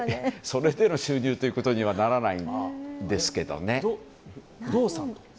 それでの収入ということにはならないんですけどね。